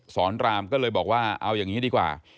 สอนรามก็เลยบอกว่าเอาอย่างนี้ดีกว่า